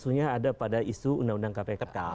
isunya ada pada isu undang undang kpk